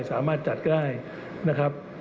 สามารถจัดได้นะครับ